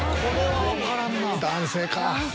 男性か。